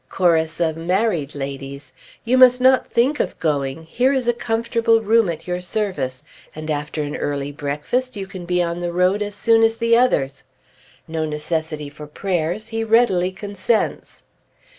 Chorus of married ladies: "You must not think of going. Here is a comfortable room at your service, and after an early breakfast you can be on the road as soon as the others." No necessity for prayers; he readily consents.